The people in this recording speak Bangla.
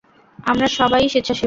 আমরা সবাই-ই স্বেচ্ছাসেবক।